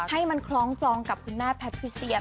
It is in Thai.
ให้มันคล้องจองกับคุณแม่แพทิเซีย